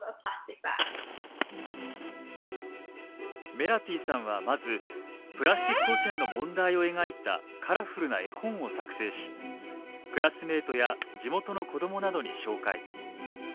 メラティさんはまずプラスチック汚染の問題を描いたカラフルな絵本を作成しクラスメートや地元の子供などに紹介。